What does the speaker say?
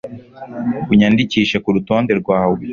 unyandikishe kurutonde rwawe